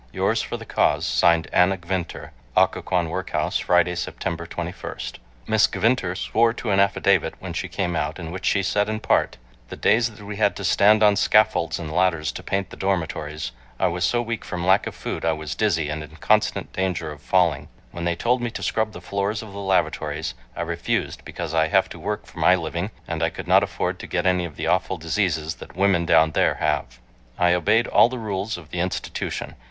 Yours for the Cause, (Signed) ANNA GVINTER. OCCOQUAN WORKHOUSE, Friday, Sept. 21. Miss Gvinter swore to an affidavit when she came out in which she said in part: ... The days that we had to stand on scaffolds and ladders to paint the dormitories, I was so weak from lack of food I was dizzy and in constant danger of falling. ... When they told me to scrub the floors of the lavatories I refused, because I have to work for my living and I could not afford to get any of the awful diseases that women down there have. I obeyed all the rules of the institution.